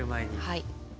はい。